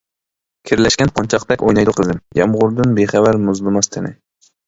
كىرلەشكەن قونچاقتەك ئوينايدۇ قىزىم، يامغۇردىن بىخەۋەر مۇزلىماس تېنى.